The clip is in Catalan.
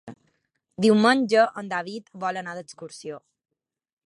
Diumenge en David vol anar d'excursió.